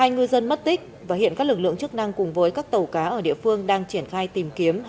hai ngư dân mất tích và hiện các lực lượng chức năng cùng với các tàu cá ở địa phương đang triển khai tìm kiếm